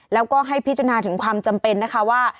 แล้วก็ให้พิจารณาถึงความจำเป็นนะคะว่า